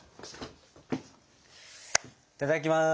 いただきます！